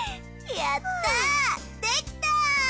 やったできた！